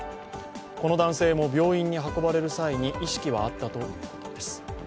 この男性も病院に運ばれる際に意識はあったということです。